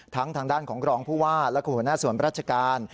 ทางด้านของรองผู้ว่าและหัวหน้าส่วนราชการ